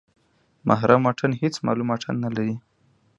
محرم واټن هېڅ معلوم واټن نلري.